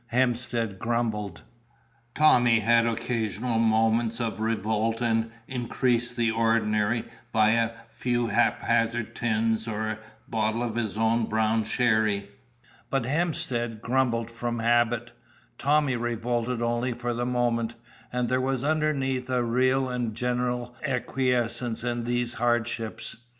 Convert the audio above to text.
Hemstead grumbled; Tommy had occasional moments of revolt and increased the ordinary by a few haphazard tins or a bottle of his own brown sherry. But Hemstead grumbled from habit, Tommy revolted only for the moment, and there was underneath a real and general acquiescence in these hardships.